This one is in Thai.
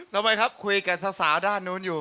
อ๋อคุยกับสาวด้านนู้นอยู่